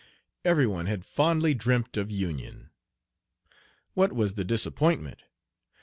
Every one had fondly dreamt of union. What was the disappointment!